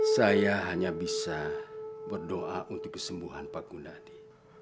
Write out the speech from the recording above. saya hanya bisa berdoa untuk kesembuhan pak kundadi